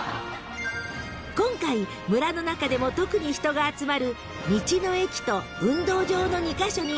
［今回村の中でも特に人が集まる］